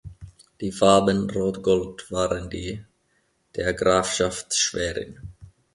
Die Farben rot-gold waren die der Grafschaft Schwerin.